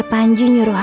rasanya mitigasi ceria